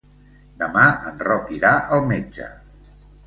Demà en Roc irà al metge.